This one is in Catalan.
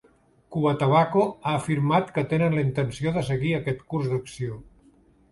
Cubatabaco ha afirmat que tenen la intenció de seguir aquest curs d'acció.